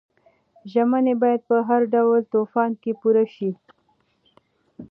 ژمنې باید په هر ډول طوفان کې پوره شي.